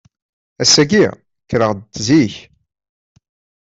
Ass-agi, kkreɣ-d zik.